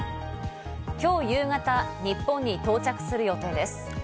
今日夕方、日本に到着する予定です。